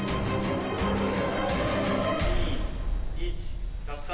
２１落下。